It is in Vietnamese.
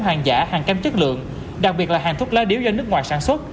hàng giả hàng kém chất lượng đặc biệt là hàng thuốc lá điếu do nước ngoài sản xuất